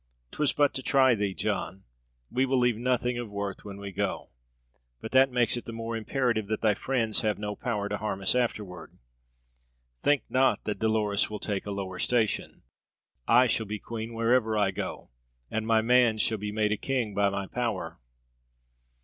'Twas but to try thee, John. We will leave nothing of worth when we go. But that makes it the more imperative that thy friends have no power to harm us afterward. Think not that Dolores will take a lower station. I shall be queen wherever I go, and my man shall be made a king by my power.